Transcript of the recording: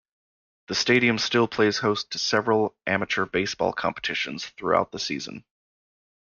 The stadium still plays host to several amateur baseball competitions throughout the season.